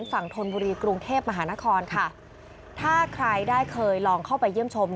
ธนบุรีกรุงเทพมหานครค่ะถ้าใครได้เคยลองเข้าไปเยี่ยมชม